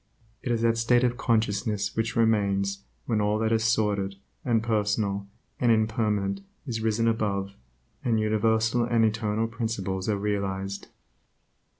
It is that state of consciousness which remains when all that is sordid, and personal, and impermanent is risen above, and universal and eternal principles are realized.